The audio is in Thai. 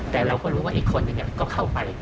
แต่เราก็รู้ว่าอีกคนนึงก็เข้าไป